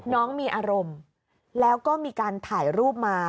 น้องมีอารมณ์แล้วก็มีการถ่ายรูปมา